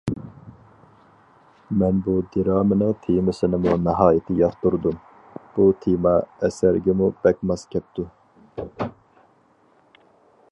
مەن بۇ دىرامىنىڭ تېمىسىنىمۇ ناھايىتى ياقتۇردۇم، بۇ تېما ئەسەرگىمۇ بەك ماس كەپتۇ.